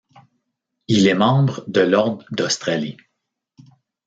Il est membre de l'Ordre d'Australie.